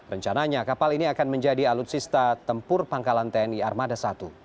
rencananya kapal ini akan menjadi alutsista tempur pangkalan tni armada satu